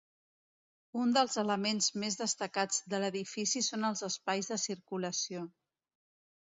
Un dels elements més destacats de l'edifici són els espais de circulació.